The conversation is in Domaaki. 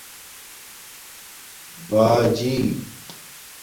باجی